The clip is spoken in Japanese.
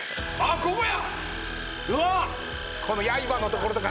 ここや！